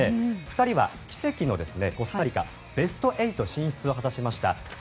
２人は奇跡のコスタリカベスト８進出を果たしました